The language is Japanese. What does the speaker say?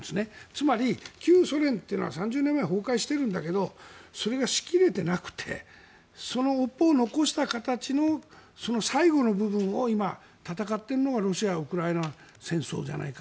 つまり、旧ソ連というのは３０年ぐらい前に崩壊してるんだけどそれが、しきれていなくてその尾っぽを残した形のその最後の部分を戦ってるのがロシア・ウクライナ戦争じゃないか。